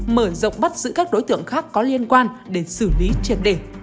mở rộng bắt giữ các đối tượng khác có liên quan để xử lý triệt đề